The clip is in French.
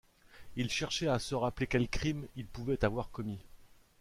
Il cherchait à se rappeler quel crime il pouvait avoir commis.